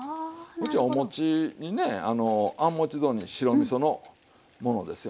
うちお餅にねあん餅雑煮白みそのものですよ。